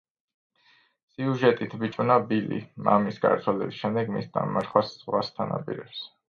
სიუჟეტით ბიჭუნა ბილი, მამის გარდაცვალების შემდეგ მის დამარხვას ზღვასთან აპირებს.